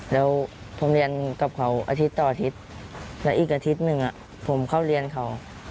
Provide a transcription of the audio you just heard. แล้วผมเรียนกับเขาอาทิตย์ต่ออาทิตย์แล้วอีกอาทิตย์หนึ่งผมเข้าเรียนเขา